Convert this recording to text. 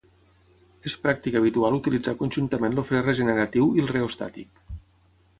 És pràctica habitual utilitzar conjuntament el fre regeneratiu i el reostàtic.